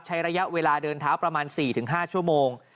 ระยะเวลาเดินเท้าประมาณ๔๕ชั่วโมง